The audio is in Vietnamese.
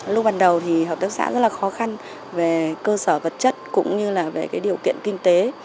lúc ban đầu thì hợp tác xã rất là khó khăn về cơ sở vật chất cũng như là về điều kiện kinh tế